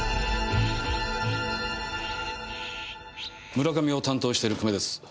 村上を担当してる久米です。